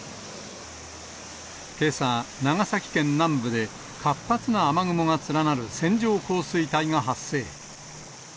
けさ、長崎県南部で活発な雨雲が連なる線状降水帯が発生。